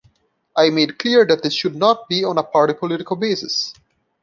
I made clear that this should not be on a party political basis.